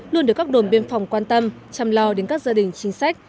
luôn được các đồn biên phòng quan tâm chăm lo đến các gia đình chính sách